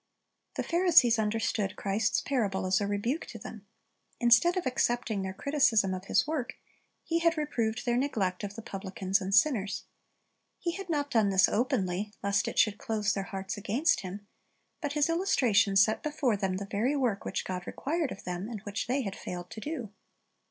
The Pharisees understood Christ's parable as a rebuke to them. Instead of accepting their criticism of His work, He had reproved their neglect of the publicans and sinners. He had not done this openly, lest it should close their hearts against Him; but His illustration set before them the very work which God required of them, and which they had failed to do.